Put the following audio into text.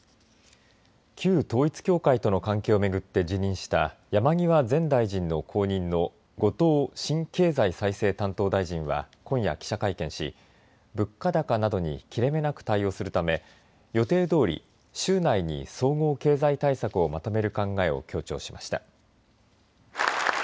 旧統一教会との関係を巡って辞任した山際前大臣の後任の後藤新経済再生担当大臣は今夜記者会見をし物価高などに切れ目なく対応するため予定どおり、週内に総合経済対策をまとめる考えを強調しました。